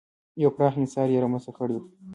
یو پراخ انحصار یې رامنځته کړی و.